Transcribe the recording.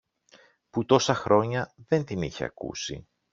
που τόσα χρόνια δεν την είχε ακούσει.